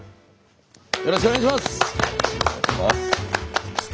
よろしくお願いします。